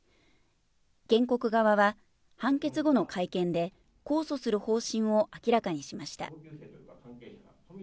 原告側は、判決後の会見で、控訴する方針を明らかにしました。